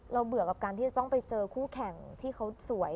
เบื่อกับการที่จะต้องไปเจอคู่แข่งที่เขาสวย